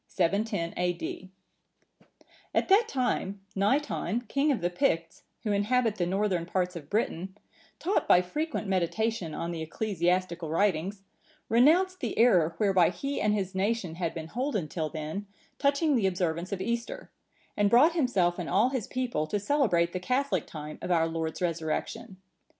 [710 A.D.] At that time,(945) Naiton, King of the Picts, who inhabit the northern parts of Britain, taught by frequent meditation on the ecclesiastical writings, renounced the error whereby he and his nation had been holden till then, touching the observance of Easter, and brought himself and all his people to celebrate the catholic time of our Lord's Resurrection.